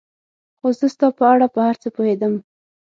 خو زه ستا په اړه په هر څه پوهېدم.